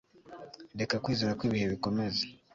Reka kwizera kwibihe bikomeze